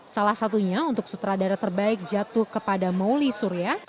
salah satunya untuk sutradara terbaik jatuh kepada mauli surya